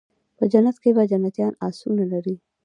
په جنت کي به جنيان آسونه هم لري